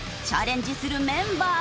チャレンジするメンバーは？